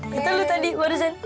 kata lu tadi warusan